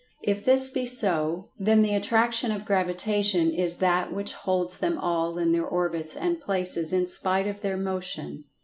If this be so, then the Attraction of Gravitation is that which holds them all in their orbits and places in spite of their motion.